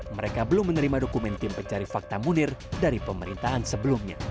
mereka belum menerima dokumen tim pencari fakta munir dari pemerintahan sebelumnya